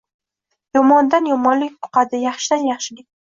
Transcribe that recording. Yomondan-yomonlik yuqadi. Yaxshidan-yaxshilik.